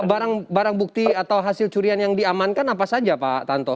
barang barang bukti atau hasil curian yang diamankan apa saja pak tanto